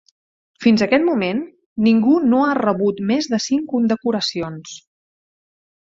Fins aquest moment, ningú no ha rebut més de cinc condecoracions.